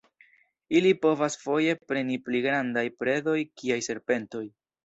Ili povas foje preni pli grandajn predojn kiaj serpentoj.